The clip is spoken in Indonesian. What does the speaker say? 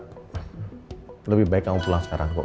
eh lebih baik kamu pulang sekarang pak